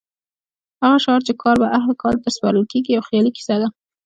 هغه شعار چې کار به اهل کار ته سپارل کېږي یو خیالي کیسه ده.